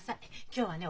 今日はね